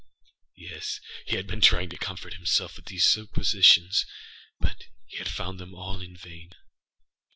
â Yes, he had been trying to comfort himself with these suppositions: but he had found all in vain.